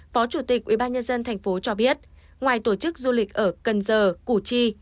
phó chủ tịch ubnd tp cho biết ngoài tổ chức du lịch ở cần giờ củ chi